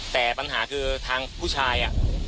แต่ปัญหาคือทางผู้ชาย